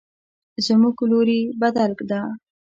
زموږ لوري بدل ده